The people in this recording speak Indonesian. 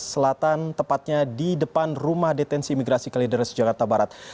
selatan tepatnya di depan rumah detensi imigrasi kalideres jakarta barat